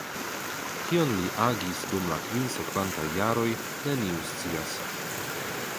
Kion li agis dum la kvin sekvantaj jaroj neniu scias.